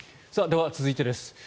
では、続いてです。